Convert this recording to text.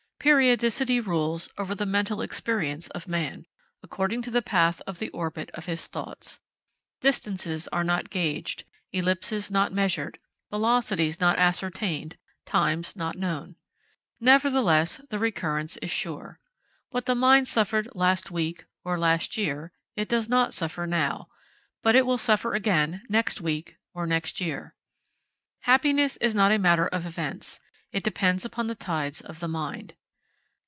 Periodicity rules over the mental experience of man, according to the path of the orbit of his thoughts. Distances are not gauged, ellipses not measured, velocities not ascertained, times not known. Nevertheless, the recurrence is sure. What the mind suffered last week, or last year, it does not suffer now; but it will suffer again next week or next year. Happiness is not a matter of events; it depends upon the tides of the mind.